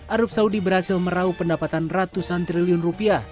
arab saudi berhasil merauh pendapatan ratusan triliun rupiah